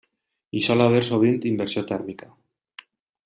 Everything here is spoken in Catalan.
Hi sol haver sovint inversió tèrmica.